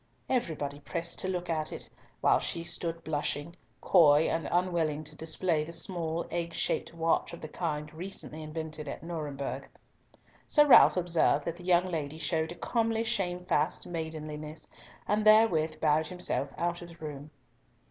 Everybody pressed to look at it, while she stood blushing, coy and unwilling to display the small egg shaped watch of the kind recently invented at Nuremberg. Sir Ralf observed that the young lady showed a comely shamefast maidenliness, and therewith bowed himself out of the room.